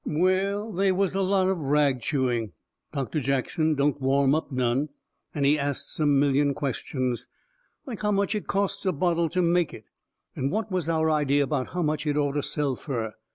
Well, they was a lot of rag chewing. Doctor Jackson don't warm up none, and he asts a million questions. Like how much it costs a bottle to make it, and what was our idea how much it orter sell fur.